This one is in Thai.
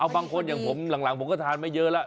บางคนอย่างผมหลังผมก็ทานไม่เยอะแล้ว